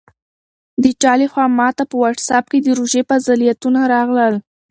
د چا لخوا ماته په واټساپ کې د روژې فضیلتونه راغلل.